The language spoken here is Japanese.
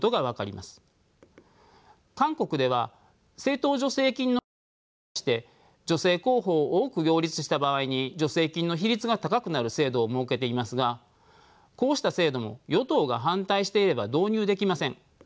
韓国では政党助成金の配分に際して女性候補を多く擁立した場合に助成金の比率が高くなる制度を設けていますがこうした制度も与党が反対していれば導入できません。